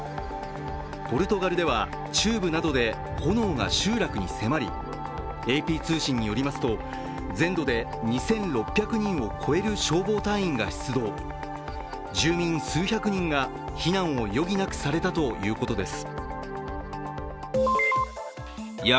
ポルトガルでは中部などで炎が集落に迫り、ＡＰ通信によりますと全土で２６００人を超える消防隊員が出動住民数百人が避難を余儀なくされたということです。